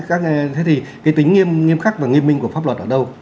cái tính nghiêm khắc và nghiêm minh của pháp luật ở đâu